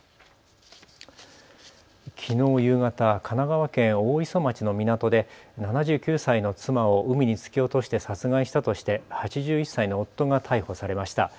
きのう夕方、神奈川県大磯町の港で７９歳の妻を海に突き落として殺害したとして８１歳の夫が逮捕されました。